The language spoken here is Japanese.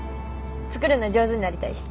作るの上手になりたいし。